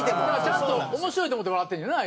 ちゃんと面白いと思って笑ってんねんな？